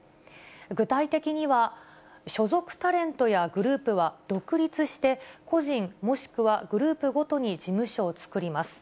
具体的には、所属タレントやグループは独立して、個人、もしくはグループごとに事務所を作ります。